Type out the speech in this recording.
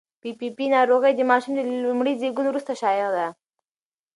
پي پي پي ناروغي د ماشوم د لومړي زېږون وروسته شایع ده.